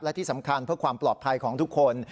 และที่สำคัญเพื่อความปลอดภัยของทุกคน